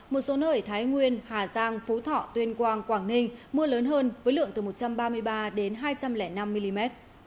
một số nơi ở thái nguyên hà giang phú thọ tuyên quang quảng ninh mưa lớn hơn với lượng từ một trăm ba mươi ba đến hai trăm linh năm mm